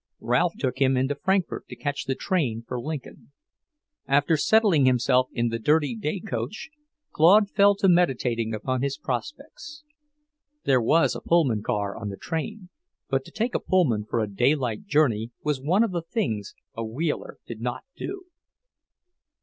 Ralph took him into Frankfort to catch the train for Lincoln. After settling himself in the dirty day coach, Claude fell to meditating upon his prospects. There was a Pullman car on the train, but to take a Pullman for a daylight journey was one of the things a Wheeler did not do.